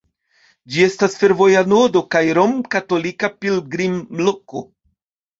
Ĝi estas fervoja nodo kaj romkatolika pilgrimloko.